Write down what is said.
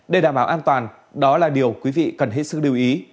để đảm bảo an toàn đó là điều quý vị cần hết sức lưu ý